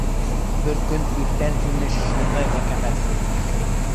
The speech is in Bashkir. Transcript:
Бер көндө иртән, имеш, шундай әкәмәт булмыш.